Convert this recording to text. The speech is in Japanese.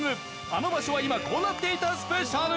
あの場所は今こうなっていたスペシャル